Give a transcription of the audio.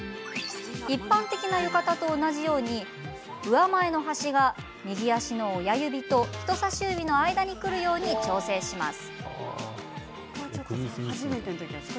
一般的な浴衣と同じように上前の端が右足の親指と人さし指の間にくるように調整します。